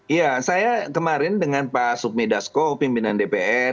iya saya kemarin dengan pak supmi dasko pimpinan dpr